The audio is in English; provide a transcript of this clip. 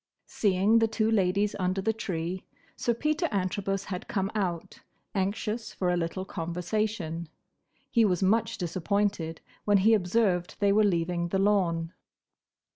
Seeing the two ladies under the tree, Sir Peter Antrobus had come out, anxious for a little conversation. He was much disappointed when he observed they were leaving the lawn.